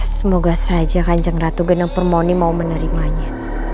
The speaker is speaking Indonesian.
semoga saja kanjeng ratu geneng permoni mau menerimanya